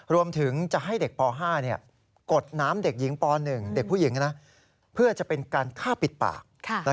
รวมถึงจะให้เด็กป๕กดน้ำเด็กหญิงป๑เด็กผู้หญิงเพื่อจะเป็นการฆ่าปิดปาก